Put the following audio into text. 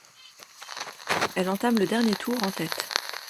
Elle entame le dernier tour en tête.